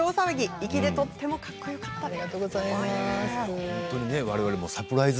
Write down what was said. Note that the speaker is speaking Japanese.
粋でとてもかっこよかったです。